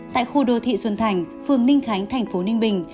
tại khu đô thị xuân thành phường ninh khánh thành phố ninh bình